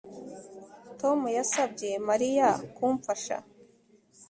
Tom yasabye Mariya kumfasha